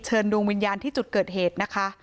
ดวงวิญญาณที่จุดเกิดเหตุนะคะ